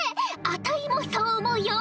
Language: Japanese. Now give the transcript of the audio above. あたいもそう思うよ！